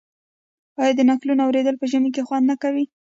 آیا د نکلونو اوریدل په ژمي کې خوند نه کوي؟